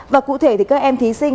và cụ thể thì các em thí sinh